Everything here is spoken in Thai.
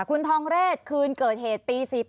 คุณทองเรศคืนเกิดเหตุปี๑๘